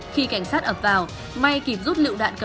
khi cảnh sát ập vào may kịp rút lựu đạn vào